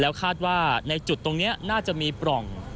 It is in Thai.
คาดว่าในจุดตรงนี้น่าจะมีปล่อง